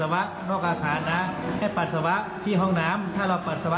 มันจะแงบ